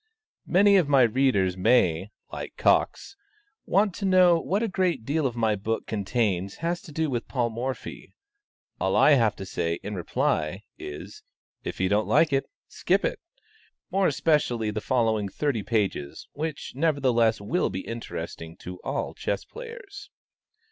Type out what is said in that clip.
Many of my readers may, like Cox, want to know what a great deal my book contains has to do with Paul Morphy; all I have to say, in reply, is, if you don't like it, skip it; more especially the following thirty pages, which, nevertheless, will be interesting to all chess players.